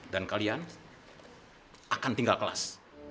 dan kalian akan tinggal kelas